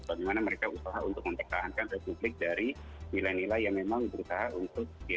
bagaimana mereka usaha untuk mempertahankan republik dari nilai nilai yang memang berusaha untuk